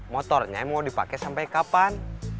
motornya mau dipakai sampai kapan